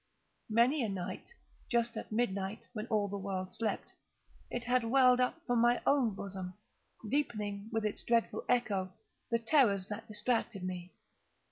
Many a night, just at midnight, when all the world slept, it has welled up from my own bosom, deepening, with its dreadful echo, the terrors that distracted me.